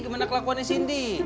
gimana kelakuannya cindy